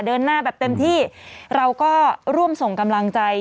เดินหน้าแบบเต็มที่เราก็ร่วมส่งกำลังใจ